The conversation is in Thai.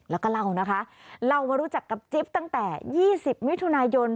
แล้วก็เล่านะคะเรามารู้จักกับจิ๊บตั้งแต่๒๐มิถุนายน